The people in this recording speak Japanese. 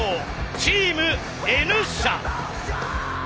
チームＮ社。